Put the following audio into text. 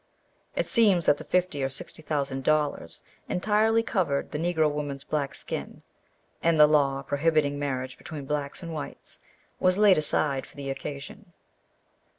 "It seems that the fifty or sixty thousand dollars entirely covered the Negro woman's black skin, and the law prohibiting marriage between blacks and whites was laid aside for the occasion."